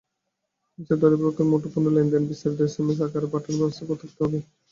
হিসাবধারীর অভিভাবকের মুঠোফোনে লেনদেনের বিস্তারিত এসএমএস আকারে পাঠানোর ব্যবস্থা থাকতে হবে।